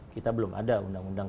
kita belum ada undang undang